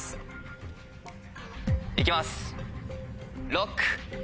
ＬＯＣＫ！